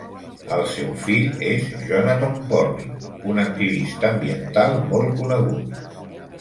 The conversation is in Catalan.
El seu fill és Jonathon Porritt, un activista ambiental molt conegut.